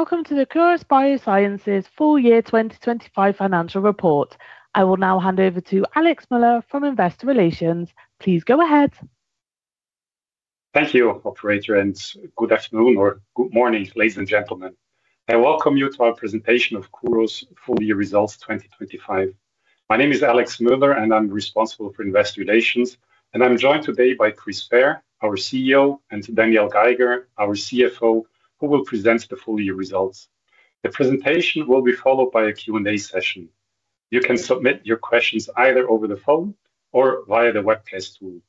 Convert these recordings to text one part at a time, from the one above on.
Welcome to the Kuros Biosciences full year 2025 financial report. I will now hand over to Alexandre Müller from Investor Relations. Please go ahead. Thank you, operator, and good afternoon or good morning, ladies and gentlemen. I welcome you to our presentation of Kuros full year results 2025. My name is Alexandre Müller, and I'm responsible for investor relations, and I'm joined today by Chris Fair, our CEO, and Daniel Geiger, our CFO, who will present the full year results. The presentation will be followed by a Q&A session. You can submit your questions either over the phone or via the webcast tool.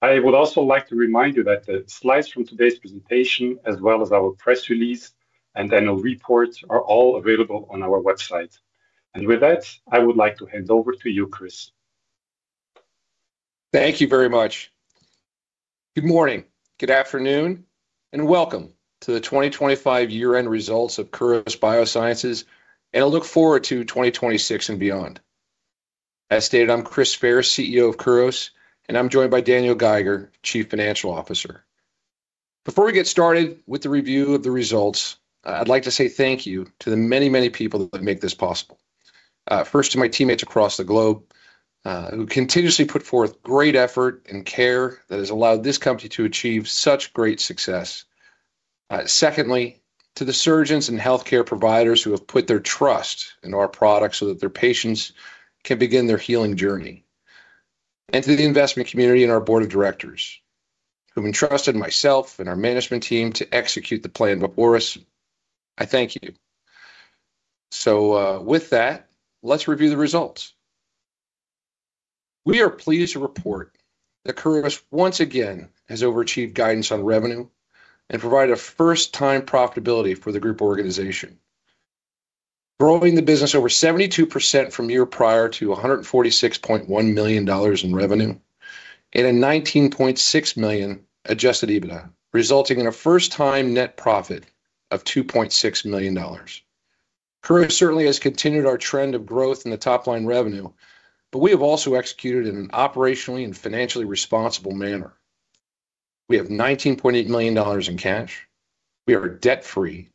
I would also like to remind you that the slides from today's presentation, as well as our press release and annual report are all available on our website. With that, I would like to hand over to you, Chris. Thank you very much. Good morning, good afternoon, and welcome to the 2025 year-end results of Kuros Biosciences, and a look forward to 2026 and beyond. As stated, I'm Chris Fair, CEO of Kuros, and I'm joined by Daniel Geiger, Chief Financial Officer. Before we get started with the review of the results, I'd like to say thank you to the many, many people that make this possible. First to my teammates across the globe, who continuously put forth great effort and care that has allowed this company to achieve such great success. Secondly, to the surgeons and healthcare providers who have put their trust in our products so that their patients can begin their healing journey. To the investment community and our board of directors, who entrusted myself and our management team to execute the plan before us, I thank you. With that, let's review the results. We are pleased to report that Kuros once again has overachieved guidance on revenue and provided a first-time profitability for the group organization, growing the business over 72% from year prior to $146.1 million in revenue and $19.6 million adjusted EBITDA, resulting in a first-time net profit of $2.6 million. Kuros certainly has continued our trend of growth in the top-line revenue, but we have also executed in an operationally and financially responsible manner. We have $19.8 million in cash. We are debt-free,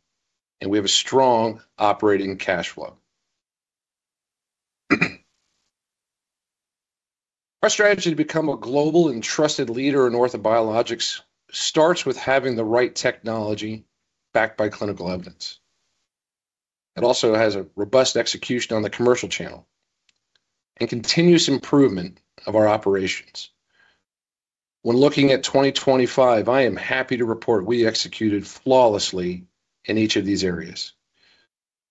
and we have a strong operating cash flow. Our strategy to become a global and trusted leader in Orthobiologics starts with having the right technology backed by clinical evidence. It also has a robust execution on the commercial channel and continuous improvement of our operations. When looking at 2025, I am happy to report we executed flawlessly in each of these areas.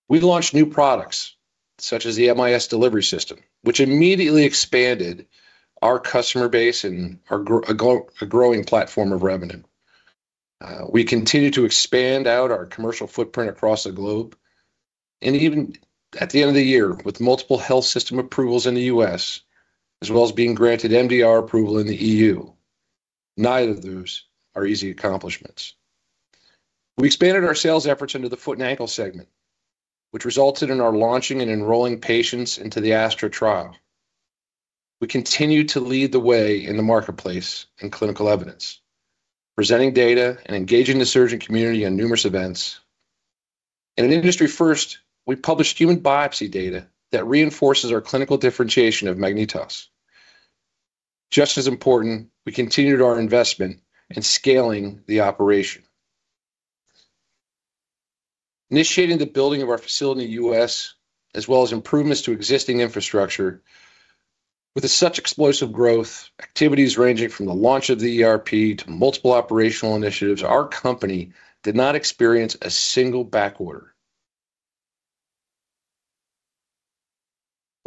We've launched new products, such as the MIS delivery system, which immediately expanded our customer base and our growing platform of revenue. We continue to expand out our commercial footprint across the globe and even at the end of the year with multiple health system approvals in the U.S., as well as being granted MDR approval in the E.U. Neither of those are easy accomplishments. We expanded our sales efforts into the foot and ankle segment, which resulted in our launching and enrolling patients into the ASTRA trial. We continue to lead the way in the marketplace in clinical evidence, presenting data and engaging the surgeon community on numerous events. In an industry first, we published human biopsy data that reinforces our clinical differentiation of MagnetOs. Just as important, we continued our investment in scaling the operation, initiating the building of our facility in the U.S., as well as improvements to existing infrastructure. With such explosive growth, activities ranging from the launch of the ERP to multiple operational initiatives, our company did not experience a single backorder.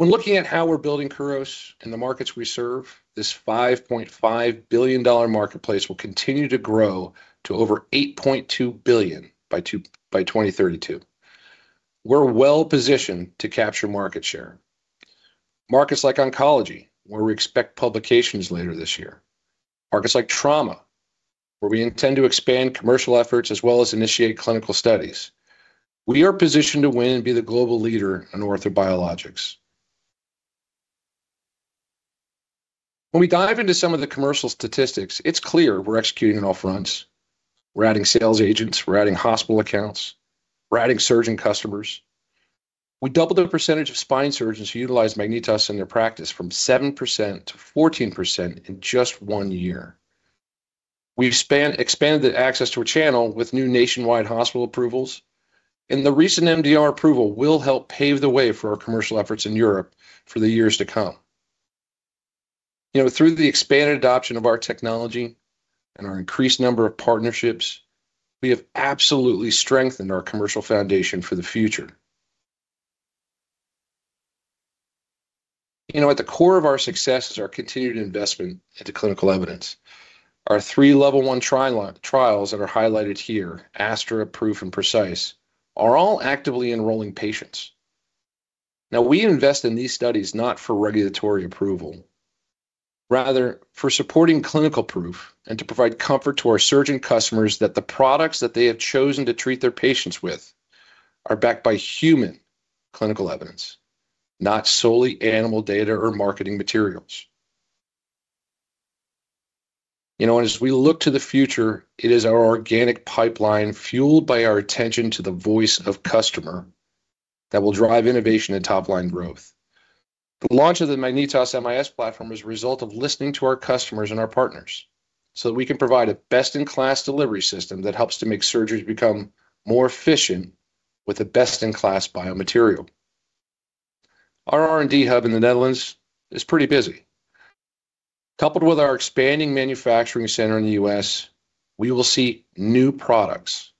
When looking at how we're building Kuros and the markets we serve, this $5.5 billion marketplace will continue to grow to over $8.2 billion by 2032. We're well-positioned to capture market share. Markets like oncology, where we expect publications later this year. Markets like trauma, where we intend to expand commercial efforts, as well as initiate clinical studies. We are positioned to win and be the global leader in orthobiologics. When we dive into some of the commercial statistics, it's clear we're executing on all fronts. We're adding sales agents. We're adding hospital accounts. We're adding surgeon customers. We doubled the percentage of spine surgeons who utilize MagnetOs in their practice from 7% to 14% in just one year. We've expanded the access to a channel with new nationwide hospital approvals, and the recent MDR approval will help pave the way for our commercial efforts in Europe for the years to come. You know, through the expanded adoption of our technology and our increased number of partnerships, we have absolutely strengthened our commercial foundation for the future. You know, at the core of our success is our continued investment into clinical evidence. Our three Level I trials that are highlighted here, ASTRA, PROOF, and PRECISE, are all actively enrolling patients. Now, we invest in these studies not for regulatory approval, rather for supporting clinical proof and to provide comfort to our surgeon customers that the products that they have chosen to treat their patients with are backed by human clinical evidence, not solely animal data or marketing materials. You know, as we look to the future, it is our organic pipeline fueled by our attention to the voice of customer that will drive innovation and top-line growth. The launch of the MagnetOs MIS platform is a result of listening to our customers and our partners so that we can provide a best-in-class delivery system that helps to make surgeries become more efficient with a best-in-class biomaterial. Our R&D hub in the Netherlands is pretty busy. Coupled with our expanding manufacturing center in the U.S., we will see new products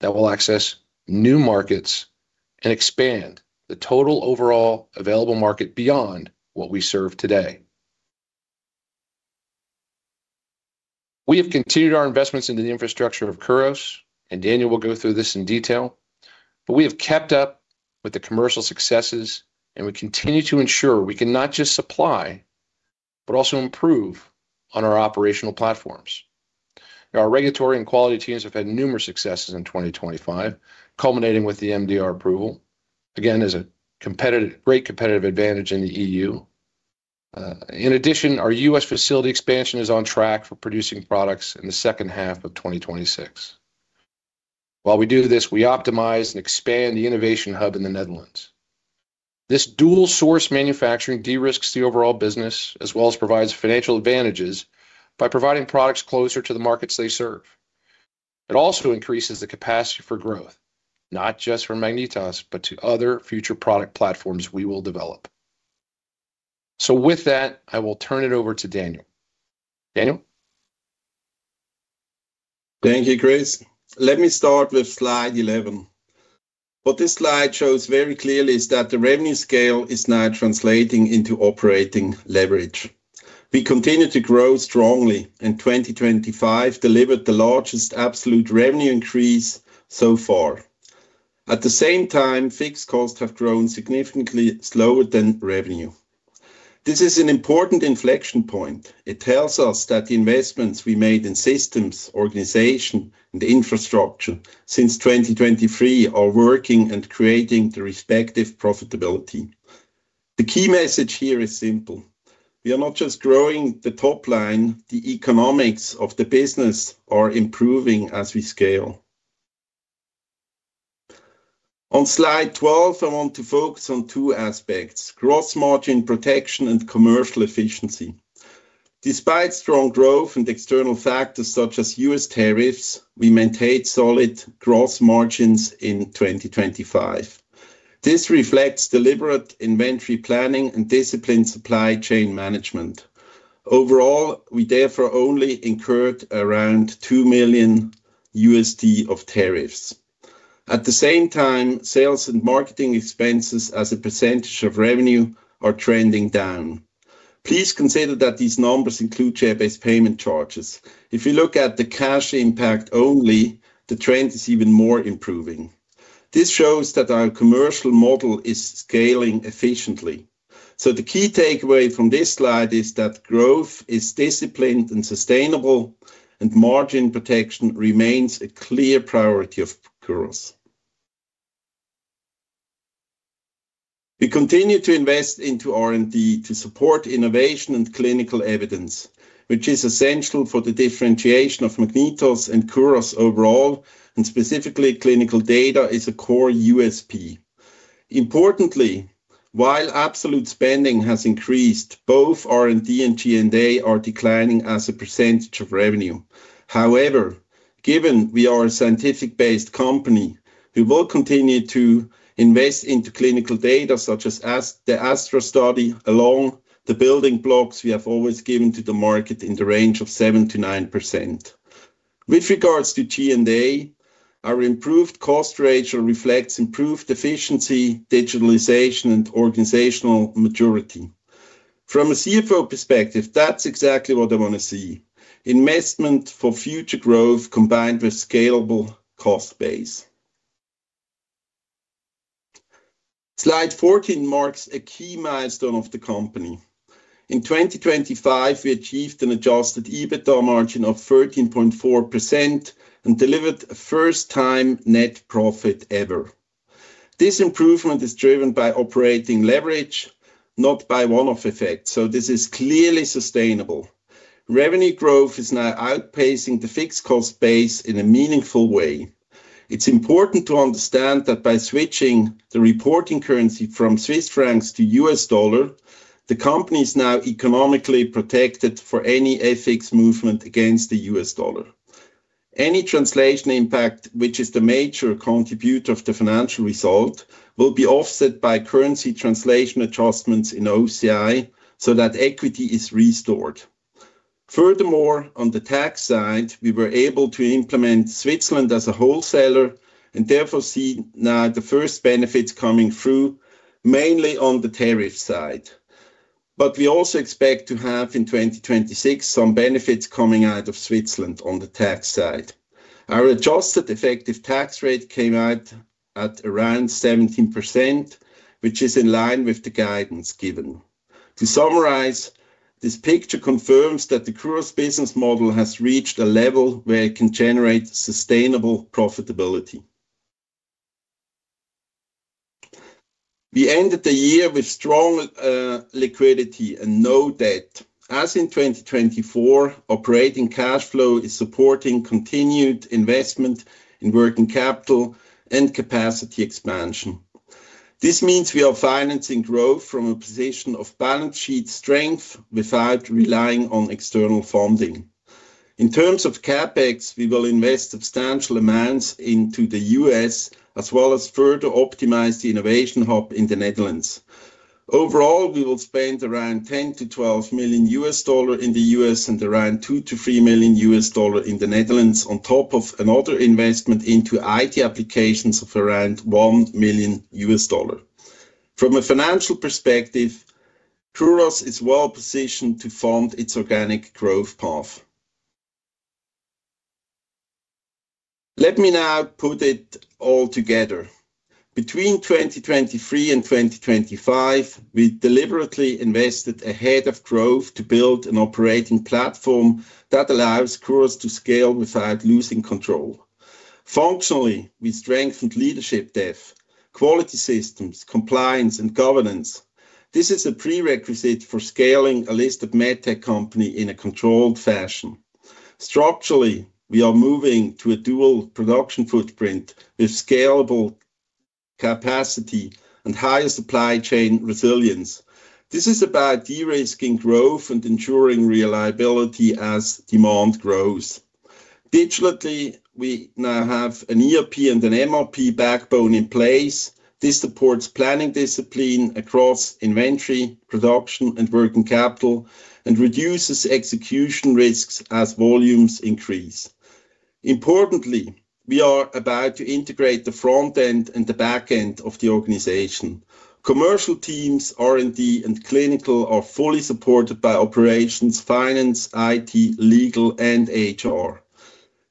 that will access new markets and expand the total overall available market beyond what we serve today. We have continued our investments into the infrastructure of Kuros, and Daniel will go through this in detail. We have kept up with the commercial successes, and we continue to ensure we can not just supply but also improve on our operational platforms. Our regulatory and quality teams have had numerous successes in 2025, culminating with the MDR approval, again, as a great competitive advantage in the E.U. In addition, our U.S. facility expansion is on track for producing products in the second half of 2026. While we do this, we optimize and expand the innovation hub in the Netherlands. This dual-source manufacturing de-risks the overall business as well as provides financial advantages by providing products closer to the markets they serve. It also increases the capacity for growth, not just for MagnetOs, but to other future product platforms we will develop. With that, I will turn it over to Daniel. Daniel. Thank you, Chris. Let me start with slide 11. What this slide shows very clearly is that the revenue scale is now translating into operating leverage. We continued to grow strongly, and 2025 delivered the largest absolute revenue increase so far. At the same time, fixed costs have grown significantly slower than revenue. This is an important inflection point. It tells us that the investments we made in systems, organization, and infrastructure since 2023 are working and creating the respective profitability. The key message here is simple. We are not just growing the top line, the economics of the business are improving as we scale. On slide 12, I want to focus on two aspects, gross margin protection and commercial efficiency. Despite strong growth and external factors such as U.S. tariffs, we maintained solid gross margins in 2025. This reflects deliberate inventory planning and disciplined supply chain management. Overall, we therefore only incurred around $2 million of tariffs. At the same time, sales and marketing expenses as a percentage of revenue are trending down. Please consider that these numbers include share-based payment charges. If you look at the cash impact only, the trend is even more improving. This shows that our commercial model is scaling efficiently. The key takeaway from this slide is that growth is disciplined and sustainable, and margin protection remains a clear priority of Kuros. We continue to invest into R&D to support innovation and clinical evidence, which is essential for the differentiation of MagnetOs and Kuros overall, and specifically clinical data is a core USP. Importantly, while absolute spending has increased, both R&D and G&A are declining as a percentage of revenue. However, given we are a scientific-based company, we will continue to invest into clinical data such as the ASTRA Study along with the building blocks we have always given to the market in the range of 7%-9%. With regards to G&A, our improved cost ratio reflects improved efficiency, digitalization, and organizational maturity. From a CFO perspective, that's exactly what I want to see. Investment for future growth combined with scalable cost base. Slide 14 marks a key milestone of the company. In 2025, we achieved an adjusted EBITDA margin of 13.4% and delivered a first-time net profit ever. This improvement is driven by operating leverage, not by one-off effects, so this is clearly sustainable. Revenue growth is now outpacing the fixed cost base in a meaningful way. It's important to understand that by switching the reporting currency from Swiss francs to U.S. dollar, the company is now economically protected for any FX movement against the U.S. dollar. Any translation impact, which is the major contributor of the financial result, will be offset by currency translation adjustments in OCI so that equity is restored. Furthermore, on the tax side, we were able to implement Switzerland as a wholesaler and therefore see now the first benefits coming through, mainly on the tariff side. We also expect to have in 2026 some benefits coming out of Switzerland on the tax side. Our adjusted effective tax rate came out at around 17%, which is in line with the guidance given. To summarize, this picture confirms that the Kuros business model has reached a level where it can generate sustainable profitability. We ended the year with strong liquidity and no debt. In 2024, operating cash flow is supporting continued investment in working capital and capacity expansion. This means we are financing growth from a position of balance sheet strength without relying on external funding. In terms of CapEx, we will invest substantial amounts into the U.S. as well as further optimize the innovation hub in the Netherlands. Overall, we will spend around $10-12 million in the U.S. and around $2-3 million in the Netherlands on top of another investment into IT applications of around $1 million. From a financial perspective, Kuros is well-positioned to fund its organic growth path. Let me now put it all together. Between 2023 and 2025, we deliberately invested ahead of growth to build an operating platform that allows Kuros to scale without losing control. Functionally, we strengthened leadership depth, quality systems, compliance and governance. This is a prerequisite for scaling a listed medtech company in a controlled fashion. Structurally, we are moving to a dual production footprint with scalable capacity and higher supply chain resilience. This is about de-risking growth and ensuring reliability as demand grows. Digitally, we now have an ERP and an MRP backbone in place. This supports planning discipline across inventory, production and working capital and reduces execution risks as volumes increase. Importantly, we are about to integrate the front end and the back end of the organization. Commercial teams, R&D and clinical are fully supported by operations, finance, IT, legal and HR.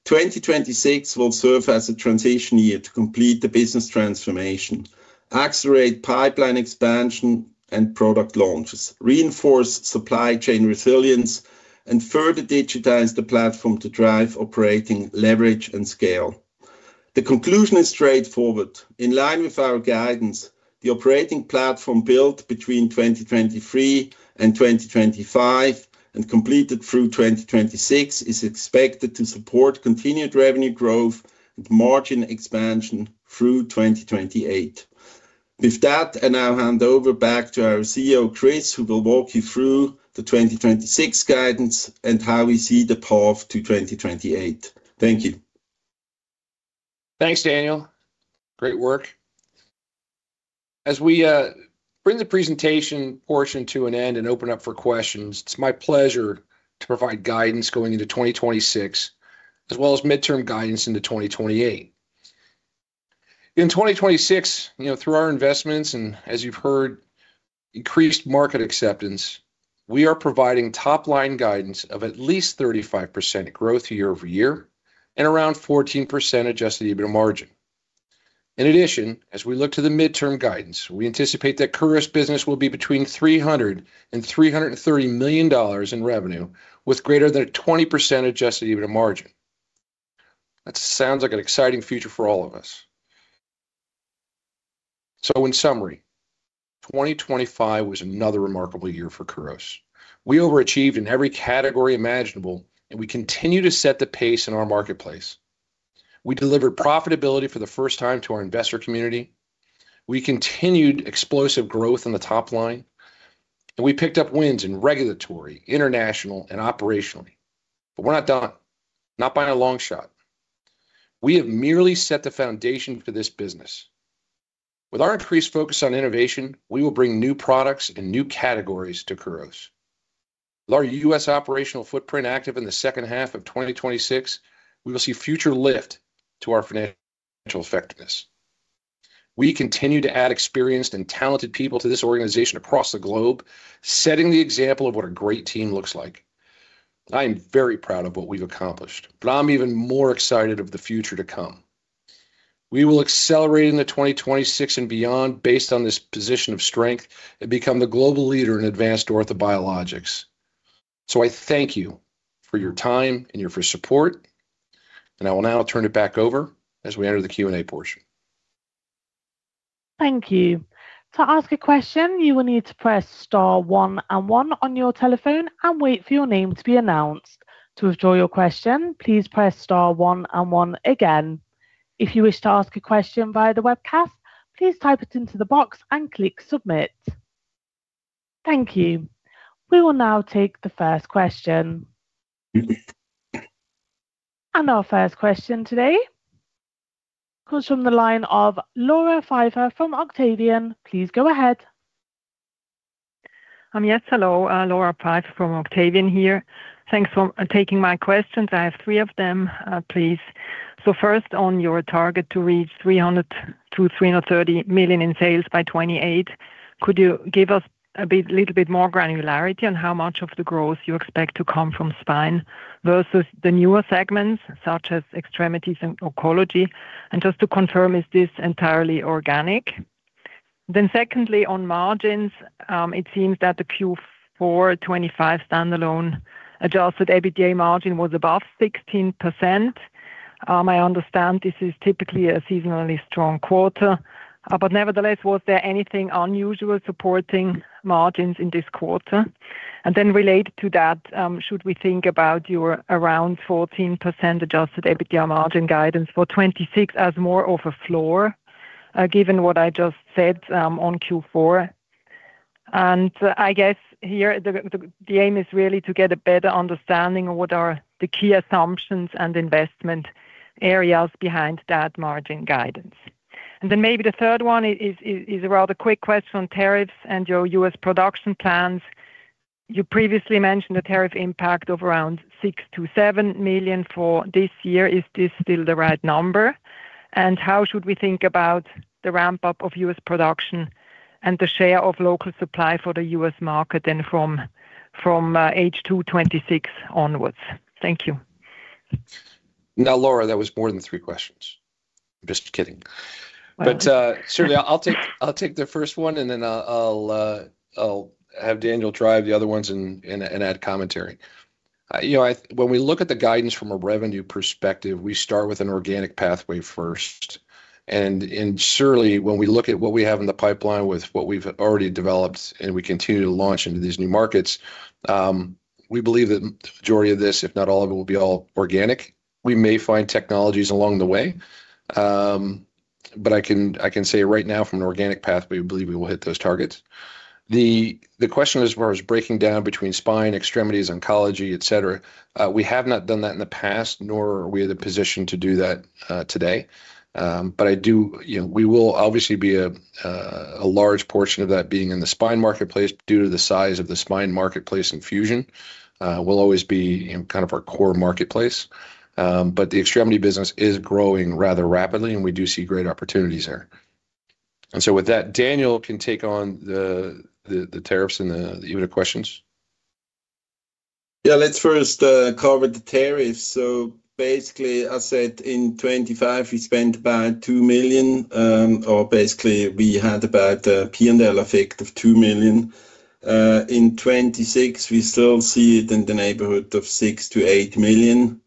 2026 will serve as a transition year to complete the business transformation, accelerate pipeline expansion and product launches, reinforce supply chain resilience, and further digitize the platform to drive operating leverage and scale. The conclusion is straightforward. In line with our guidance, the operating platform built between 2023 and 2025 and completed through 2026 is expected to support continued revenue growth and margin expansion through 2028. With that, I now hand over back to our CEO, Chris, who will walk you through the 2026 guidance and how we see the path to 2028. Thank you. Thanks, Daniel. Great work. As we bring the presentation portion to an end and open up for questions, it's my pleasure to provide guidance going into 2026 as well as midterm guidance into 2028. In 2026, you know, through our investments and as you've heard, increased market acceptance, we are providing top-line guidance of at least 35% growth year-over-year and around 14% adjusted EBITDA margin. In addition, as we look to the midterm guidance, we anticipate that Kuros business will be between $300 million and $330 million in revenue with greater than a 20% adjusted EBITDA margin. That sounds like an exciting future for all of us. In summary, 2025 was another remarkable year for Kuros. We overachieved in every category imaginable, and we continue to set the pace in our marketplace. We delivered profitability for the first time to our investor community. We continued explosive growth in the top line, and we picked up wins in regulatory, international and operationally. We're not done. Not by a long shot. We have merely set the foundation for this business. With our increased focus on innovation, we will bring new products and new categories to Kuros. With our U.S. operational footprint active in the second half of 2026, we will see future lift to our financial effectiveness. We continue to add experienced and talented people to this organization across the globe, setting the example of what a great team looks like. I am very proud of what we've accomplished, but I'm even more excited of the future to come. We will accelerate into 2026 and beyond based on this position of strength and become the global leader in advanced orthobiologics. I thank you for your time and your support, and I will now turn it back over as we enter the Q&A portion. Thank you. To ask a question, you will need to press star one and one on your telephone and wait for your name to be announced. To withdraw your question, please press star one and one again. If you wish to ask a question via the webcast, please type it into the box and click submit. Thank you. We will now take the first question. Our first question today comes from the line of Laura Pfeifer from Octavian. Please go ahead. Yes. Hello, Laura Pfeifer from Octavian here. Thanks for taking my questions. I have three of them, please. First, on your target to reach 300-330 million in sales by 2028, could you give us a bit, little bit more granularity on how much of the growth you expect to come from spine versus the newer segments such as extremities and oncology? And just to confirm, is this entirely organic? Secondly, on margins, it seems that the Q4 2025 standalone adjusted EBITDA margin was above 16%. I understand this is typically a seasonally strong quarter. But nevertheless, was there anything unusual supporting margins in this quarter? Related to that, should we think about your around 14% adjusted EBITDA margin guidance for 2026 as more of a floor, given what I just said on Q4? I guess here the aim is really to get a better understanding of what are the key assumptions and investment areas behind that margin guidance. Maybe the third one is a rather quick question on tariffs and your U.S. production plans. You previously mentioned a tariff impact of around 6- 7 million for this year. Is this still the right number? How should we think about the ramp-up of U.S. production and the share of local supply for the U.S. market then from H2 2026 onwards? Thank you. Now, Laura, that was more than three questions. Just kidding. But surely I'll take the first one, and then I'll have Daniel drive the other ones and add commentary. You know, when we look at the guidance from a revenue perspective, we start with an organic pathway first. Surely when we look at what we have in the pipeline with what we've already developed and we continue to launch into these new markets, we believe that the majority of this, if not all of it, will be all organic. We may find technologies along the way, but I can say right now from an organic pathway, we believe we will hit those targets. The question as far as breaking down between spine, extremities, oncology, etc., we have not done that in the past nor are we in the position to do that today. I do, you know, we will obviously be a large portion of that being in the spine marketplace due to the size of the spine marketplace and fusion will always be, you know, kind of our core marketplace. The extremity business is growing rather rapidly, and we do see great opportunities there. With that, Daniel can take on the tariffs and the other questions. Yeah. Let's first cover the tariffs. Basically, as said, in 2025 we spent about 2 million, or basically we had about a P&L effect of 2 million. In 2026 we still see it in the neighborhood of 6-8 million.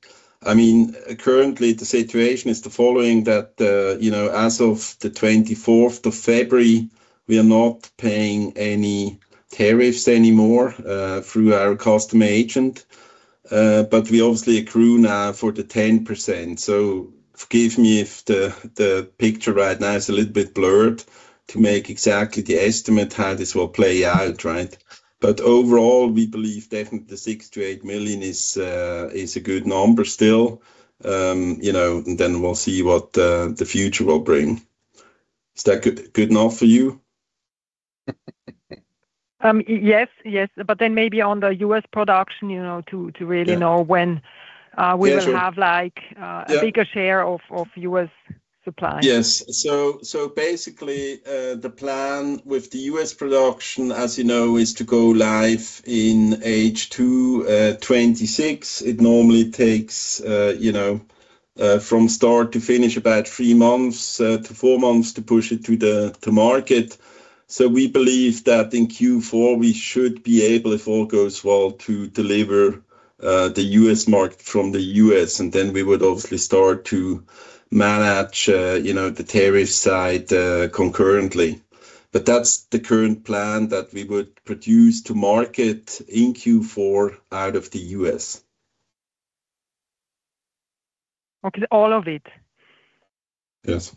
I mean, currently the situation is the following that, you know, as of the 24th of February, we are not paying any tariffs anymore, through our customs agent. But we obviously accrue now for the 10%. Forgive me if the picture right now is a little bit blurred to make exactly the estimate how this will play out, right? But overall, we believe definitely 6-8 million is a good number still. You know, then we'll see what the future will bring. Is that good enough for you? Yes. Maybe on the U.S. production, you know, to really Yeah. -know when, uh- Yeah, sure. We will have like. Yeah. a bigger share of U.S. supply. Yes. Basically, the plan with the U.S. production, as you know, is to go live in H2 2026. It normally takes, you know, from start to finish about three months to four months to push it to the market. We believe that in Q4 we should be able, if all goes well, to deliver the U.S. market from the U.S. and then we would obviously start to manage, you know, the tariff side concurrently. That's the current plan that we would produce to market in Q4 out of the U.S. Okay. All of it? Yes.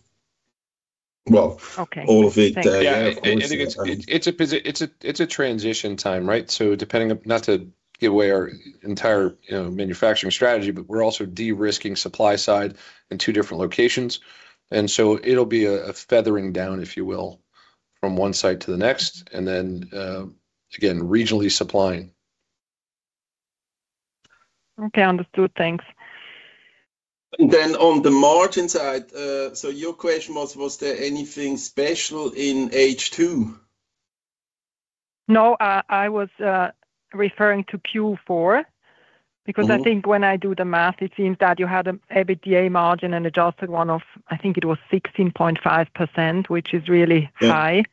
Okay. All of it. Thanks. Yeah. I think it's a transition time, right? Not to give away our entire, you know, manufacturing strategy, but we're also de-risking supply side in two different locations. It'll be a feathering down, if you will, from one site to the next, and then again, regionally supplying. Okay. Understood. Thanks. On the margin side, so your question was there anything special in H2? No. I was referring to Q4. Mm-hmm. Because I think when I do the math, it seems that you had an EBITDA margin, an adjusted one of, I think it was 16.5%, which is really high.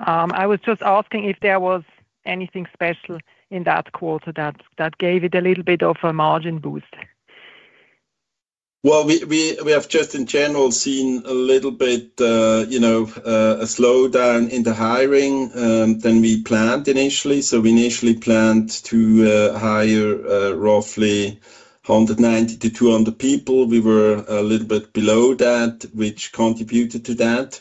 Yeah. I was just asking if there was anything special in that quarter that gave it a little bit of a margin boost. Well, we have just in general seen a little bit, you know, a slowdown in the hiring than we planned initially. We initially planned to hire roughly 190-200 people. We were a little bit below that, which contributed to that.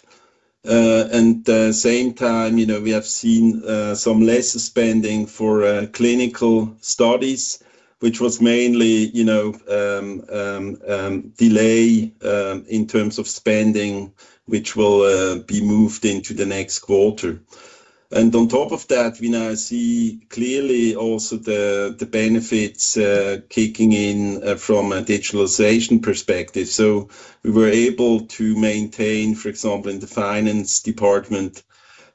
At the same time, you know, we have seen some less spending for clinical studies, which was mainly, you know, delay in terms of spending, which will be moved into the next quarter. On top of that, we now see clearly also the benefits kicking in from a digitalization perspective. We were able to maintain, for example, in the finance department,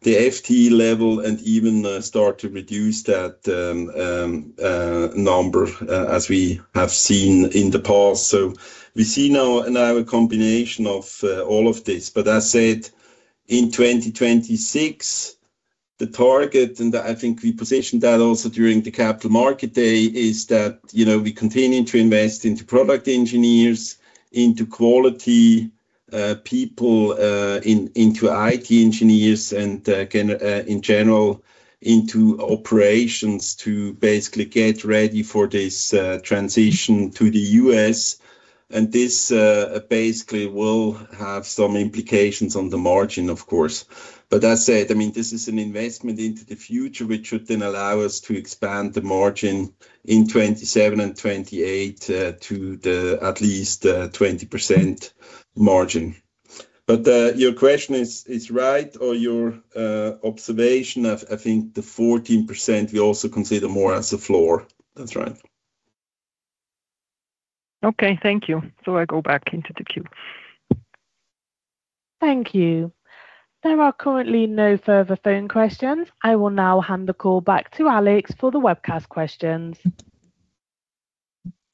the FTE level and even start to reduce that number as we have seen in the past. We see now a combination of all of this. But as said, in 2026 The target, and I think we positioned that also during the capital market day, is that, you know, we continuing to invest into product engineers, into quality people, into IT engineers and, in general into operations to basically get ready for this transition to the U.S. This basically will have some implications on the margin, of course. That said, I mean, this is an investment into the future, which should then allow us to expand the margin in 2027 and 2028, to at least 20% margin. Your question is right, or your observation of, I think the 14% we also consider more as a floor. That's right. Okay. Thank you. I go back into the queue. Thank you. There are currently no further phone questions. I will now hand the call back to Alex for the webcast questions.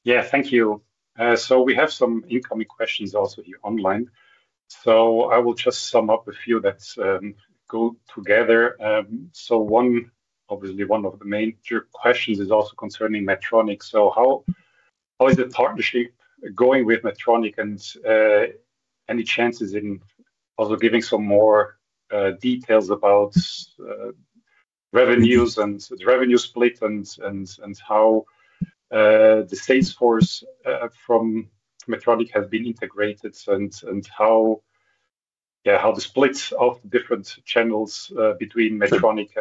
Yeah. Thank you. We have some incoming questions also here online. I will just sum up a few that go together. One obviously of the major questions is also concerning Medtronic. How is the partnership going with Medtronic? And any chances in also giving some more details about revenues and the revenue split and how the sales force from Medtronic have been integrated and how the splits of the different channels between Medtronic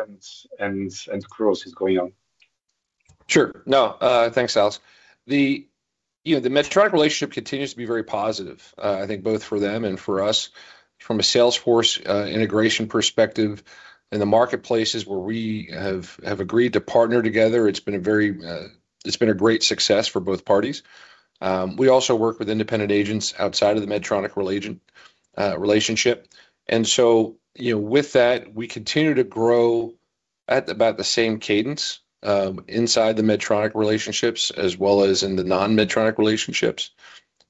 and Kuros is going on. Sure. No, thanks, Alex. You know, the Medtronic relationship continues to be very positive, I think both for them and for us. From a sales force integration perspective, in the marketplaces where we have agreed to partner together, it's been a great success for both parties. We also work with independent agents outside of the Medtronic relationship. You know, with that, we continue to grow at about the same cadence inside the Medtronic relationships as well as in the non-Medtronic relationships.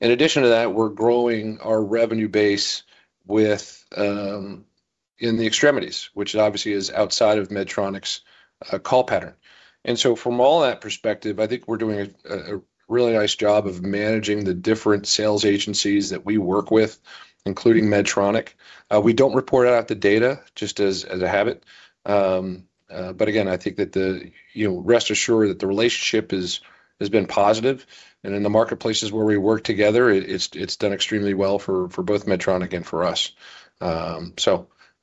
In addition to that, we're growing our revenue base within the extremities, which obviously is outside of Medtronic's call pattern. From all that perspective, I think we're doing a really nice job of managing the different sales agencies that we work with, including Medtronic. We don't report out the data just as a habit. Again, I think that, you know, rest assured that the relationship has been positive, and in the marketplaces where we work together, it's done extremely well for both Medtronic and for us.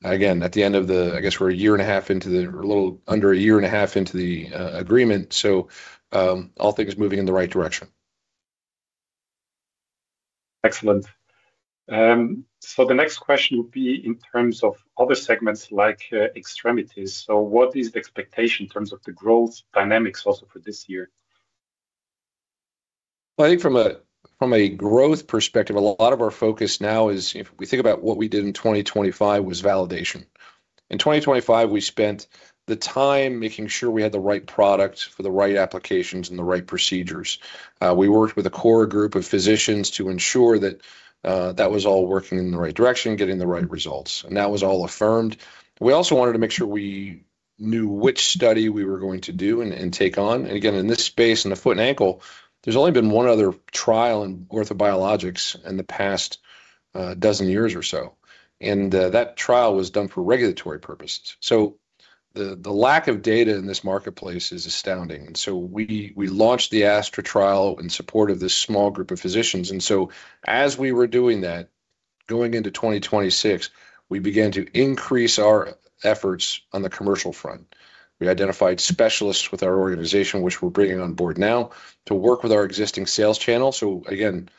Again, I guess we're a little under a year and a half into the agreement, all things moving in the right direction. Excellent. The next question would be in terms of other segments like extremities. What is the expectation in terms of the growth dynamics also for this year? I think from a growth perspective, a lot of our focus now is if we think about what we did in 2025 was validation. In 2025, we spent the time making sure we had the right product for the right applications and the right procedures. We worked with a core group of physicians to ensure that that was all working in the right direction, getting the right results. That was all affirmed. We also wanted to make sure we knew which study we were going to do and take on. Again, in this space, in the foot and ankle, there's only been one other trial in orthobiologics in the past dozen years or so. That trial was done for regulatory purposes. The lack of data in this marketplace is astounding. We launched the ASTRA trial in support of this small group of physicians. As we were doing that, going into 2026, we began to increase our efforts on the commercial front. We identified specialists with our organization, which we're bringing on board now to work with our existing sales channel. Again,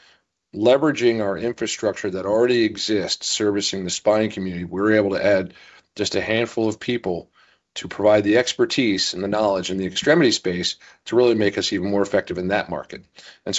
leveraging our infrastructure that already exists, servicing the spine community, we're able to add just a handful of people to provide the expertise and the knowledge in the extremity space to really make us even more effective in that market.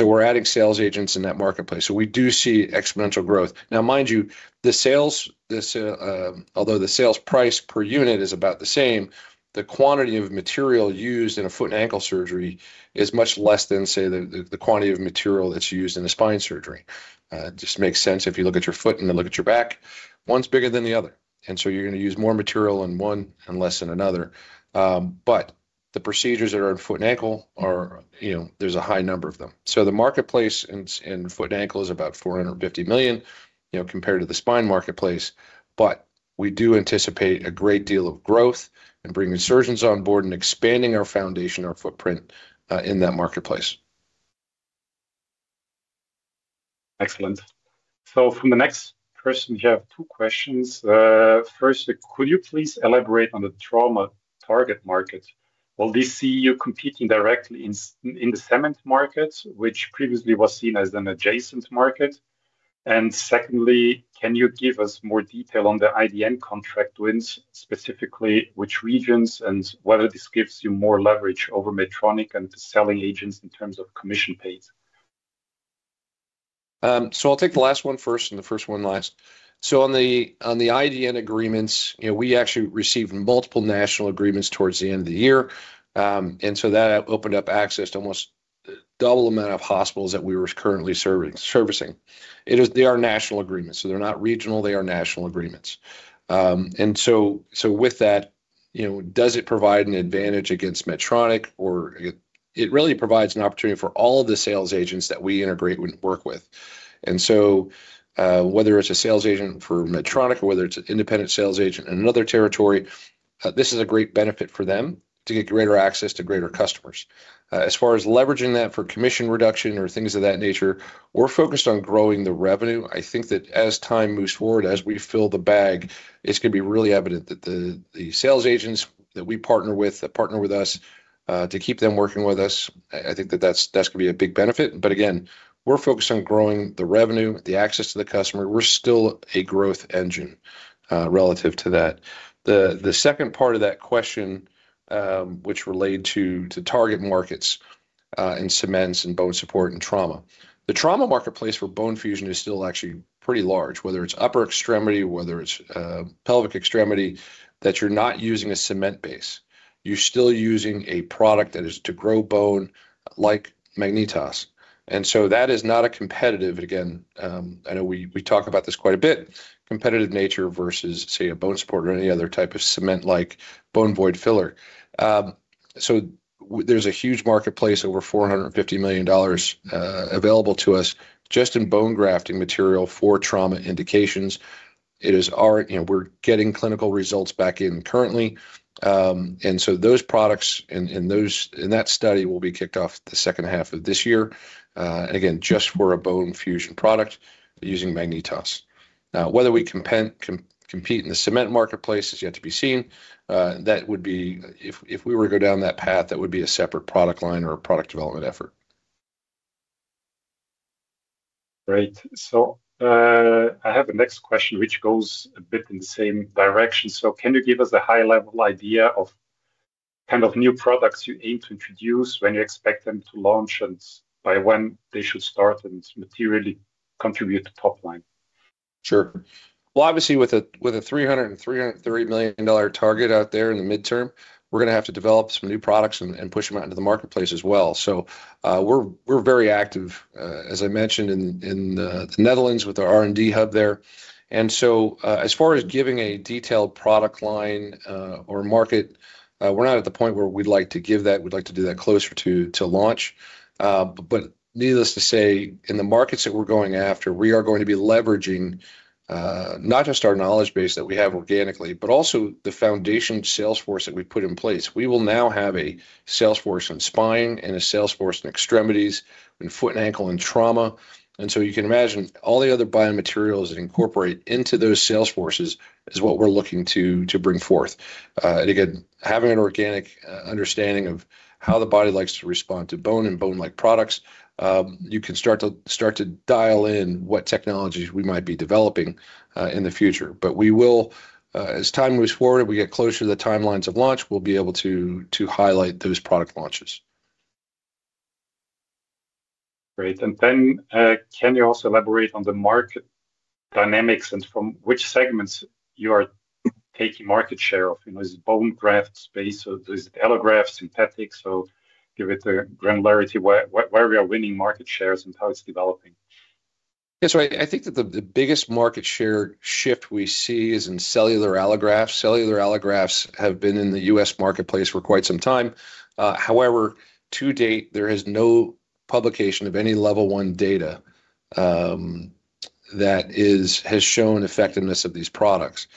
We're adding sales agents in that marketplace. We do see exponential growth. Now mind you, the sales, although the sales price per unit is about the same, the quantity of material used in a foot and ankle surgery is much less than, say, the quantity of material that's used in a spine surgery. It just makes sense if you look at your foot and then look at your back. One's bigger than the other. You're gonna use more material in one and less in another. But the procedures that are in foot and ankle are, you know, there's a high number of them. So the marketplace in foot and ankle is about 450 million, you know, compared to the spine marketplace. We do anticipate a great deal of growth and bringing surgeons on board and expanding our foundation, our footprint in that marketplace. Excellent. From the next person, you have two questions. Firstly, could you please elaborate on the trauma target market? Will this see you competing directly in the cement market, which previously was seen as an adjacent market? Secondly, can you give us more detail on the IDN contract wins, specifically which regions and whether this gives you more leverage over Medtronic and the selling agents in terms of commission paid? I'll take the last one first and the first one last. On the IDN agreements, you know, we actually received multiple national agreements towards the end of the year. That opened up access to almost the double amount of hospitals that we were currently servicing. They are national agreements, so they're not regional, they are national agreements. With that, you know, does it provide an advantage against Medtronic or it really provides an opportunity for all of the sales agents that we integrate and work with. Whether it's a sales agent for Medtronic or whether it's an independent sales agent in another territory, this is a great benefit for them to get greater access to greater customers. As far as leveraging that for commission reduction or things of that nature, we're focused on growing the revenue. I think that as time moves forward, as we fill the bag, it's gonna be really evident that the sales agents that we partner with, that partner with us, to keep them working with us, I think that that's gonna be a big benefit. But again, we're focused on growing the revenue, the access to the customer. We're still a growth engine relative to that. The second part of that question, which relates to target markets, and cements and bone support and trauma. The trauma marketplace for bone fusion is still actually pretty large, whether it's upper extremity, whether it's pelvic extremity, that you're not using a cement base. You're still using a product that is to grow bone like MagnetOs. That is not competitive again, I know we talk about this quite a bit, competitive nature versus, say, a bone support or any other type of cement like bone void filler. There's a huge marketplace, over $450 million, available to us just in bone grafting material for trauma indications. It is our. You know, we're getting clinical results back in currently. Those products and that study will be kicked off the second half of this year, and again, just for a bone fusion product using MagnetOs. Now, whether we compete in the cement marketplace is yet to be seen. If we were to go down that path, that would be a separate product line or a product development effort. Great. I have the next question, which goes a bit in the same direction. Can you give us a high-level idea of kind of new products you aim to introduce, when you expect them to launch, and by when they should start and materially contribute to top line? Sure. Well, obviously with a $330 million target out there in the midterm, we're gonna have to develop some new products and push them out into the marketplace as well. We're very active, as I mentioned, in the Netherlands with our R&D hub there. As far as giving a detailed product line or market, we're not at the point where we'd like to give that. We'd like to do that closer to launch. But needless to say, in the markets that we're going after, we are going to be leveraging not just our knowledge base that we have organically, but also the foundation sales force that we put in place. We will now have a sales force in spine and a sales force in extremities and foot and ankle and trauma. You can imagine all the other biomaterials that incorporate into those sales forces is what we're looking to bring forth. Again, having an organic understanding of how the body likes to respond to bone and bone-like products, you can start to dial in what technologies we might be developing in the future. We will, as time moves forward and we get closer to the timelines of launch, we'll be able to highlight those product launches. Great. Can you also elaborate on the market dynamics and from which segments you are taking market share of? You know, is it bone graft space, or is it allograft synthetic? Give it a granularity where we are winning market shares and how it's developing? I think that the biggest market share shift we see is in cellular allografts. Cellular allografts have been in the U.S. marketplace for quite some time. However, to date, there is no publication of any Level I data that has shown effectiveness of these products.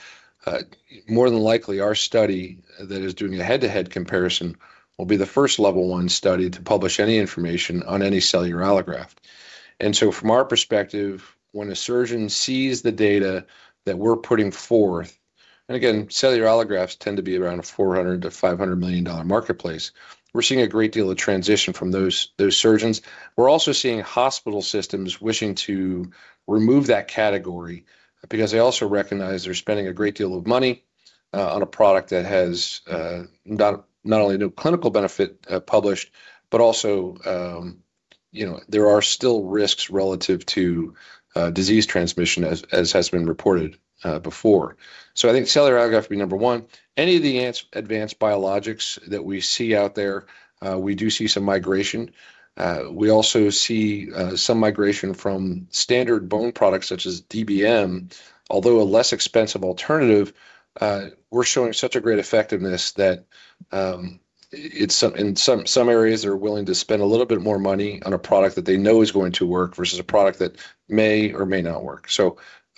More than likely, our study that is doing a head-to-head comparison will be the first level I study to publish any information on any cellular allograft. From our perspective, when a surgeon sees the data that we're putting forth, and again, cellular allografts tend to be around a $400-500 million marketplace, we're seeing a great deal of transition from those surgeons. We're also seeing hospital systems wishing to remove that category because they also recognize they're spending a great deal of money on a product that has not only no clinical benefit published, but also, you know, there are still risks relative to disease transmission as has been reported before. I think cellular allograft would be number one. Any of the advanced biologics that we see out there, we do see some migration. We also see some migration from standard bone products such as DBM. Although a less expensive alternative, we're showing such a great effectiveness that in some areas are willing to spend a little bit more money on a product that they know is going to work versus a product that may or may not work.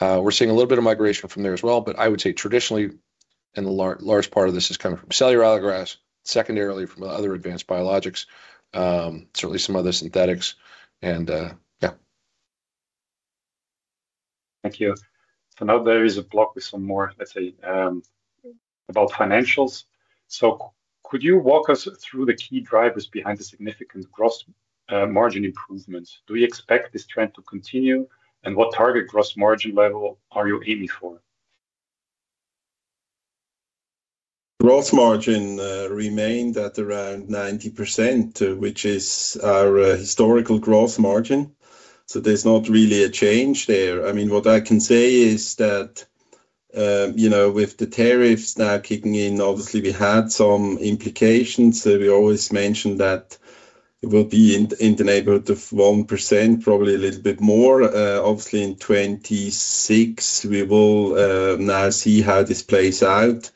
We're seeing a little bit of migration from there as well. I would say traditionally, and the large part of this is coming from cellular allografts, secondarily from other advanced biologics, certainly some other synthetics and, yeah. Thank you. Now there is a block with some more, let's say, about financials. Could you walk us through the key drivers behind the significant gross margin improvements? Do you expect this trend to continue? And what target gross margin level are you aiming for? Gross margin remained at around 90%, which is our historical gross margin. There's not really a change there. I mean, what I can say is that you know, with the tariffs now kicking in, obviously we had some implications. We always mention that it will be in the neighborhood of 1%, probably a little bit more. Obviously in 2026 we will now see how this plays out.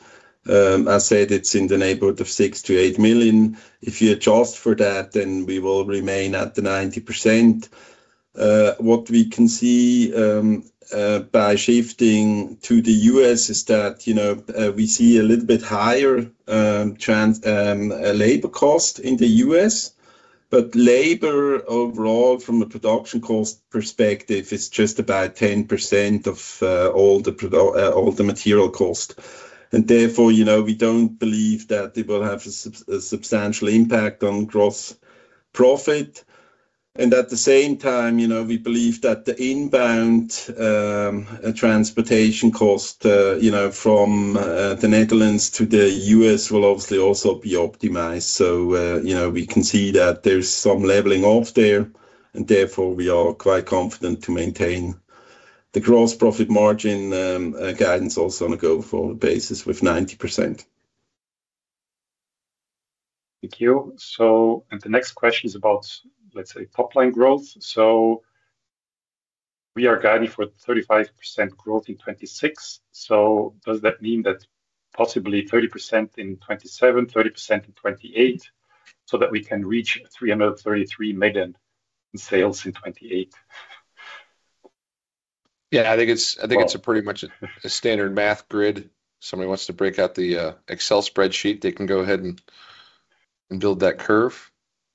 I said it's in the neighborhood of 6-8 million. If you adjust for that, then we will remain at the 90%. What we can see by shifting to the U.S. is that you know, we see a little bit higher labor cost in the U.S. Labor overall from a production cost perspective is just about 10% of all the material cost. Therefore, you know, we don't believe that it will have a substantial impact on gross profit. At the same time, you know, we believe that the inbound transportation cost, you know, from the Netherlands to the U.S. will obviously also be optimized. We can see that there's some leveling off there, and therefore we are quite confident to maintain the gross profit margin guidance also on a go-forward basis with 90%. Thank you. The next question is about, let's say, top line growth. We are guiding for 35% growth in 2026. Does that mean that possibly 30% in 2027, 30% in 2028, so that we can reach 333 million in sales in 2028? Yeah. I think it's a pretty much a standard math grid. Somebody wants to break out the Excel spreadsheet, they can go ahead and build that curve.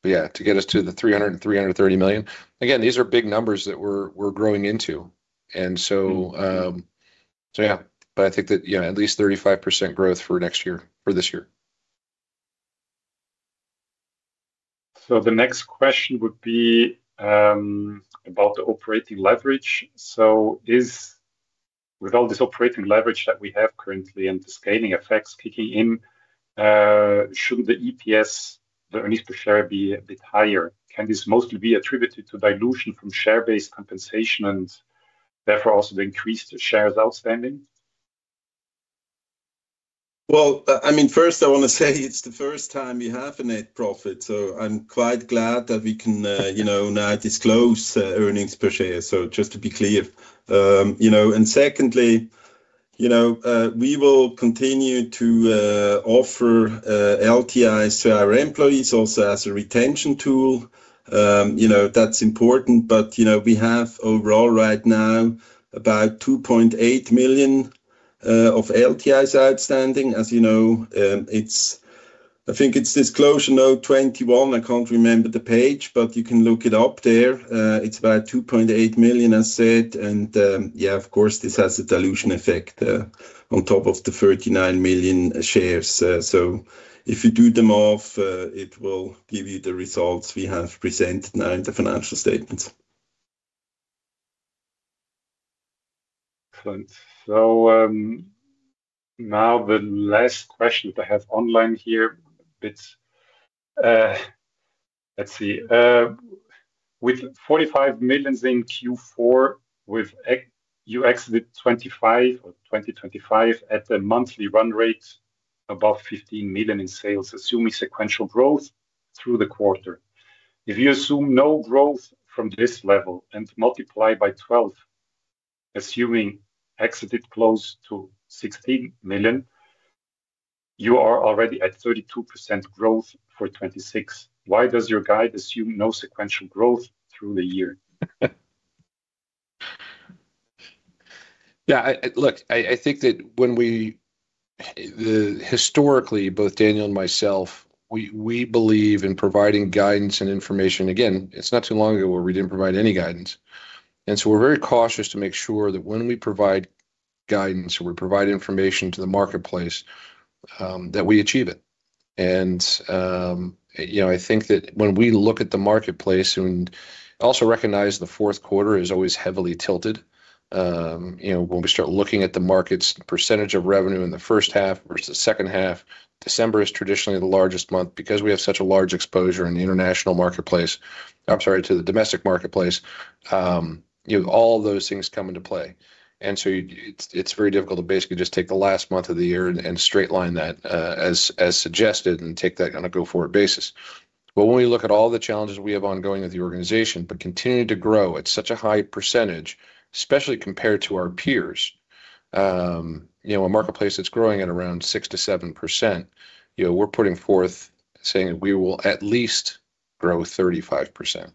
Yeah, to get us to the 300-330 million. Again, these are big numbers that we're growing into. Yeah. I think that, you know, at least 35% growth for next year or this year. The next question would be about the operating leverage. With all this operating leverage that we have currently and the scaling effects kicking in, shouldn't the EPS, the earnings per share, be a bit higher? Can this mostly be attributed to dilution from share-based compensation and therefore also the increased shares outstanding? Well, I mean, first I want to say it's the first time we have a net profit, so I'm quite glad that we can, you know, now disclose earnings per share. Just to be clear. Secondly, you know, we will continue to offer LTIs to our employees also as a retention tool. You know, that's important. You know, we have overall right now about 2.8 million of LTIs outstanding. As you know, I think it's disclosure note 21. I can't remember the page, but you can look it up there. It's about 2.8 million, I said. Yeah, of course, this has a dilution effect on top of the 39 million shares. If you do the math, it will give you the results we have presented now in the financial statements. Excellent. Now the last question that I have online here, it's, let's see. With 45 million in Q4, exiting 2025 at a monthly run rate above 15 million in sales, assuming sequential growth through the quarter. If you assume no growth from this level and multiply by 12, assuming exiting close to 16 million, you are already at 32% growth for 2026. Why does your guide assume no sequential growth through the year? Look, I think that when we historically, both Daniel and myself, we believe in providing guidance and information. Again, it's not too long ago where we didn't provide any guidance, and so we're very cautious to make sure that when we provide guidance or we provide information to the marketplace, that we achieve it. You know, I think that when we look at the marketplace and also recognize the fourth quarter is always heavily tilted, you know, when we start looking at the market's percentage of revenue in the first half versus the second half. December is traditionally the largest month because we have such a large exposure in the international marketplace. I'm sorry, to the domestic marketplace. You know, all those things come into play. It's very difficult to basically just take the last month of the year and straight line that as suggested and take that on a go-forward basis. When we look at all the challenges we have ongoing with the organization, continuing to grow at such a high percentage, especially compared to our peers, you know, a marketplace that's growing at around 6%-7%, you know, we're putting forth saying we will at least grow 35%.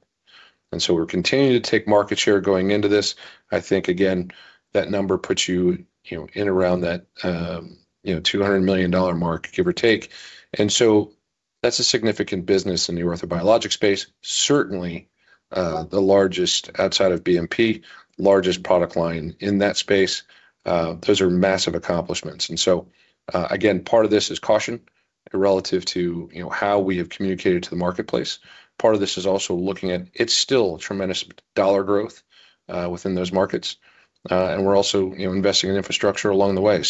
We're continuing to take market share going into this. I think again, that number puts you know, in around that $200 million mark, give or take. That's a significant business in the orthobiologics space. Certainly, the largest outside of BMP, largest product line in that space. Those are massive accomplishments. Again, part of this is caution relative to, you know, how we have communicated to the marketplace. Part of this is also looking at it's still tremendous dollar growth within those markets. We're also, you know, investing in infrastructure along the way.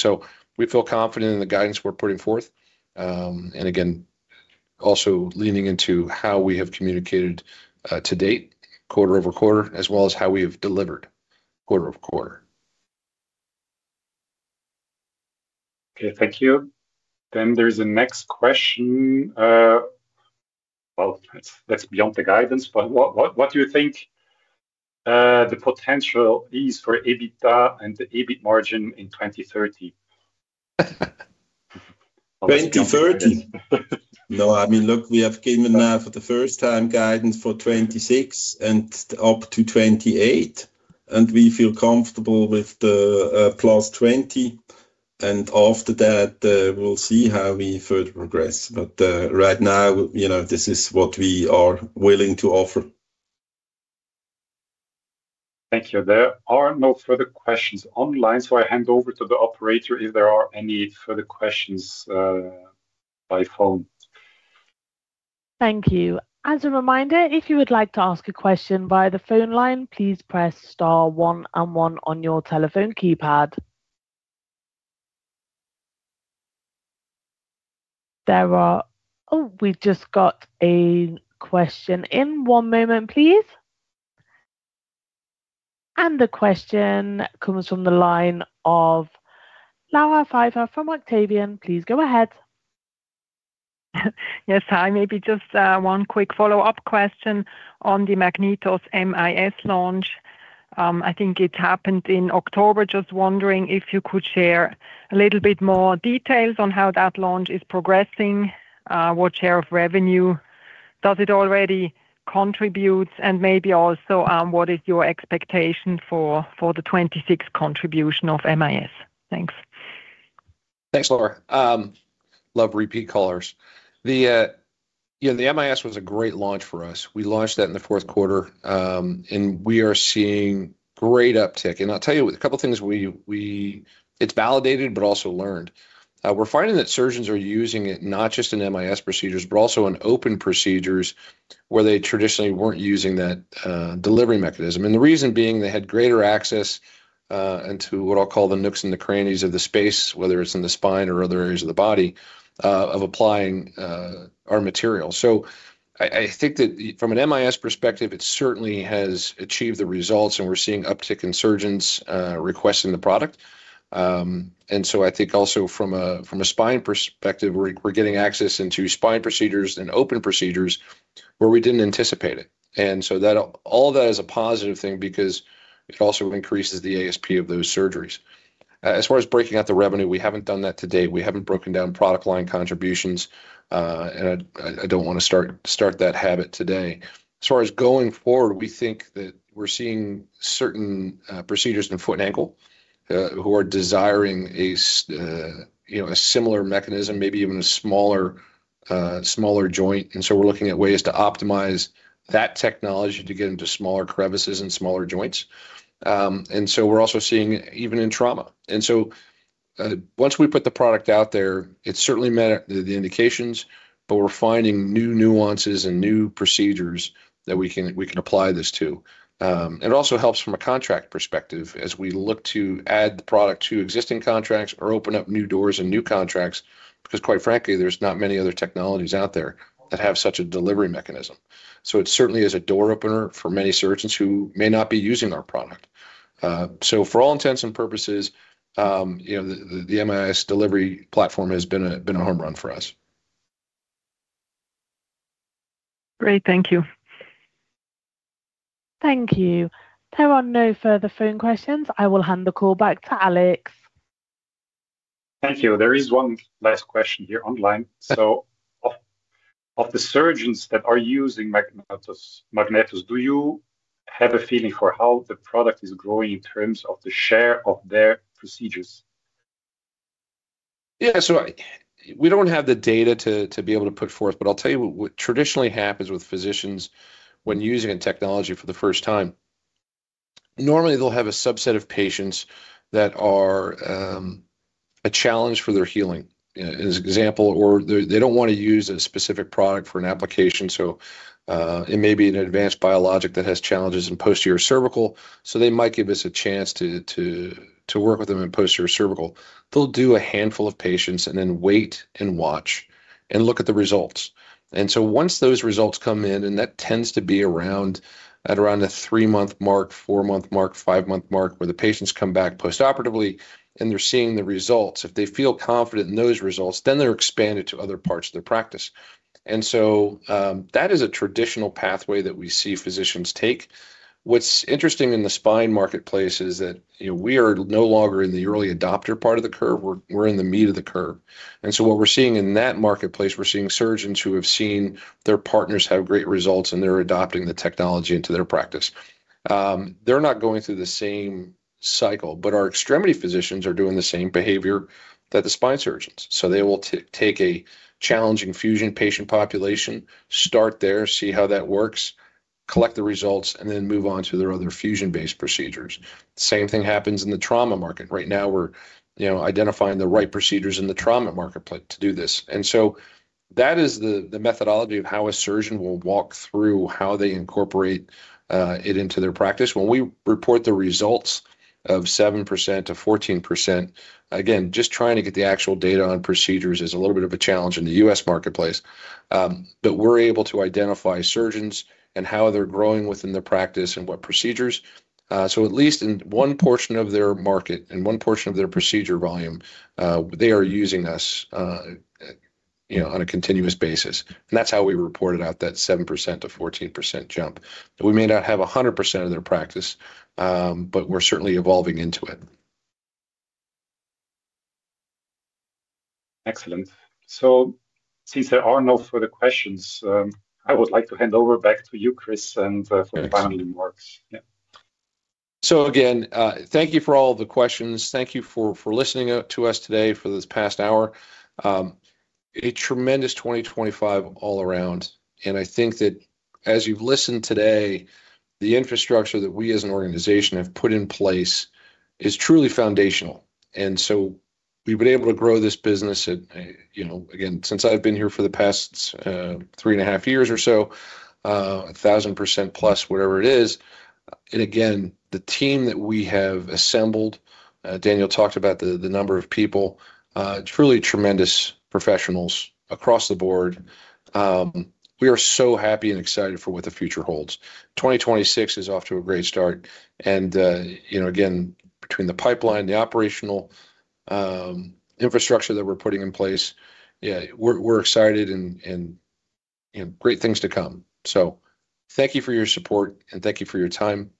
We feel confident in the guidance we're putting forth. Also leaning into how we have communicated to date quarter-over-quarter, as well as how we have delivered quarter-over-quarter. Okay, thank you. There's a next question. Well, that's beyond the guidance, but what do you think the potential is for EBITDA and the EBIT margin in 2030? 2030. No, I mean, look, we have given now for the first time guidance for 2026 and up to 2028, and we feel comfortable with the +20%, and after that, we'll see how we further progress. Right now, you know, this is what we are willing to offer. Thank you. There are no further questions online, so I hand over to the operator if there are any further questions, by phone. Thank you. As a reminder, if you would like to ask a question via the phone line, please press star one one on your telephone keypad. Oh, we've just got a question. One moment, please. The question comes from the line of Laura Pfeifer from Octavian. Please go ahead. Yes. Hi. Maybe just one quick follow-up question on the MagnetOs MIS launch. I think it happened in October. Just wondering if you could share a little bit more details on how that launch is progressing, what share of revenue does it already contribute, and maybe also, what is your expectation for the 2026 contribution of MIS? Thanks. Thanks, Laura. Love repeat callers. You know, the MIS was a great launch for us. We launched that in the fourth quarter, and we are seeing great uptick. I'll tell you a couple things we've validated but also learned. We're finding that surgeons are using it not just in MIS procedures, but also in open procedures where they traditionally weren't using that delivery mechanism. The reason being, they had greater access into what I'll call the nooks and the crannies of the space, whether it's in the spine or other areas of the body of applying our material. I think that from an MIS perspective, it certainly has achieved the results, and we're seeing uptick in surgeons requesting the product. I think also from a spine perspective, we're getting access into spine procedures and open procedures where we didn't anticipate it. All that is a positive thing because it also increases the ASP of those surgeries. As far as breaking out the revenue, we haven't done that to date. We haven't broken down product line contributions, and I don't wanna start that habit today. As far as going forward, we think that we're seeing certain procedures in foot and ankle who are desiring you know, a similar mechanism, maybe even a smaller joint. We're looking at ways to optimize that technology to get into smaller crevices and smaller joints. We're also seeing even in trauma. Once we put the product out there, it certainly met the indications, but we're finding new nuances and new procedures that we can apply this to. It also helps from a contract perspective as we look to add the product to existing contracts or open up new doors and new contracts. Because quite frankly, there's not many other technologies out there that have such a delivery mechanism. It certainly is a door opener for many surgeons who may not be using our product. For all intents and purposes, you know, the MIS delivery platform has been a home run for us..... Great. Thank you. Thank you. There are no further phone questions. I will hand the call back to Alex. Thank you. There is one last question here online. Of the surgeons that are using MagnetOs, do you have a feeling for how the product is growing in terms of the share of their procedures? Yeah. We don't have the data to be able to put forth, but I'll tell you what traditionally happens with physicians when using a technology for the first time. Normally, they'll have a subset of patients that are a challenge for their healing. For example, they don't wanna use a specific product for an application. It may be an advanced biologic that has challenges in posterior cervical, so they might give us a chance to work with them in posterior cervical. They'll do a handful of patients and then wait and watch and look at the results. Once those results come in, that tends to be around the three-month mark, four-month mark, five-month mark, where the patients come back post-operatively and they're seeing the results. If they feel confident in those results, then they're expanded to other parts of their practice. That is a traditional pathway that we see physicians take. What's interesting in the spine marketplace is that, you know, we are no longer in the early adopter part of the curve. We're in the meat of the curve. What we're seeing in that marketplace, we're seeing surgeons who have seen their partners have great results, and they're adopting the technology into their practice. They're not going through the same cycle, but our extremity physicians are doing the same behavior that the spine surgeons. They will take a challenging fusion patient population, start there, see how that works, collect the results, and then move on to their other fusion-based procedures. Same thing happens in the trauma market. Right now we're, you know, identifying the right procedures in the trauma marketplace to do this. That is the methodology of how a surgeon will walk through how they incorporate it into their practice. When we report the results of 7%-14%, again, just trying to get the actual data on procedures is a little bit of a challenge in the U.S. marketplace. But we're able to identify surgeons and how they're growing within their practice and what procedures. At least in one portion of their market and one portion of their procedure volume, they are using us, you know, on a continuous basis. That's how we reported out that 7%-14% jump. We may not have 100% of their practice, but we're certainly evolving into it. Excellent. Since there are no further questions, I would like to hand over back to you, Chris, and for the final remarks. Yeah. Again, thank you for all the questions. Thank you for listening to us today for this past hour. A tremendous 2025 all around. I think that as you've listened today, the infrastructure that we as an organization have put in place is truly foundational. We've been able to grow this business at, you know, again, since I've been here for the past three and a half years or so, 1,000% plus whatever it is. Again, the team that we have assembled, Daniel talked about the number of people, truly tremendous professionals across the board. We are so happy and excited for what the future holds. 2026 is off to a great start and, you know, again, between the pipeline, the operational infrastructure that we're putting in place, yeah, we're excited and, you know, great things to come. Thank you for your support, and thank you for your time.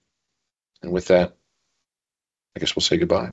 With that, I guess we'll say goodbye.